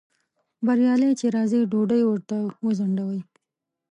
بریالی چې راځي ډوډۍ ورته وځنډوئ